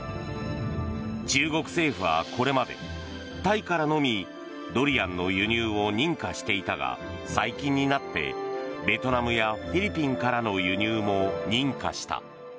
中国政府はこれまでタイからのみドリアンの輸入を認可していたが最近になってベトナムやフィリピンからの輸入も認可した。